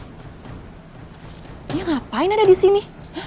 dia ngapain ada di sini